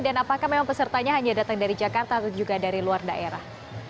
apakah memang pesertanya hanya datang dari jakarta atau juga dari luar daerah